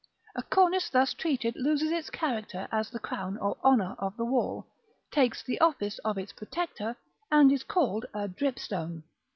A cornice thus treated loses its character as the crown or honor of the wall, takes the office of its protector, and is called a DRIPSTONE.